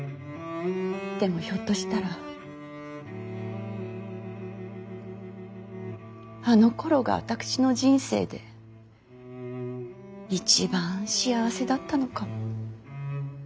でもひょっとしたらあのころが私の人生で一番幸せだったのかも。